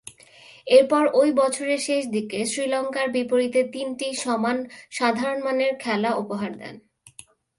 এরপর, ঐ বছরের শেষদিকে শ্রীলঙ্কার বিপক্ষে তিনটি সাধারণমানের খেলা উপহার দেন।